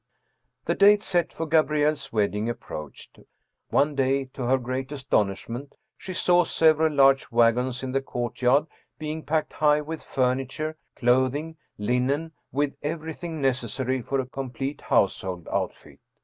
" The date set for Gabrielle's wedding approached. One day, to her great astonishment, she saw several large wagons in the courtyard being packed high with furniture, clothing, linen, with everything necessary for a complete household outfit.